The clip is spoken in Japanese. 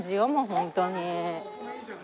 本当に？